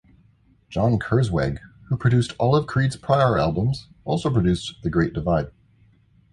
John Kurzweg, who produced all of Creed's prior albums, also produced "The Great Divide".